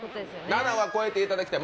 ７は超えていただきたい。